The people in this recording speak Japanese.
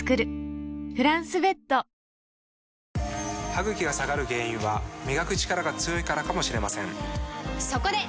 歯ぐきが下がる原因は磨くチカラが強いからかもしれませんそこで！